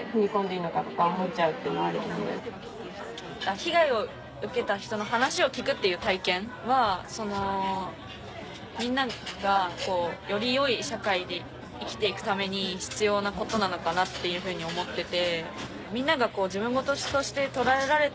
被害を受けた人の話を聞くっていう体験はみんながより良い社会で生きて行くために必要なことなのかなっていうふうに思ってて。